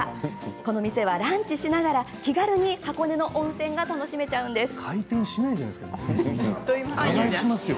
この店はランチしながら気軽に箱根の温泉が楽しめちゃうんです。